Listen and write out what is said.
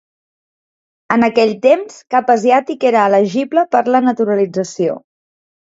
En aquell temps, cap asiàtic era elegible per la naturalització.